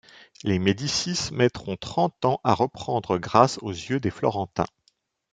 Les Médicis mettront trente ans à reprendre grâce aux yeux des Florentins.